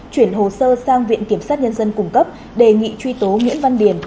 chuyển hồ sơ sang viện kiểm sát nhân dân cung cấp đề nghị truy tố nguyễn văn điền